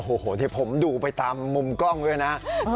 โอ้โหที่ผมดูไปตามมุมกล้องด้วยนะ